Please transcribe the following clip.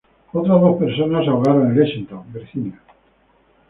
Otras dos personas se ahogaron en Lexington, Virginia.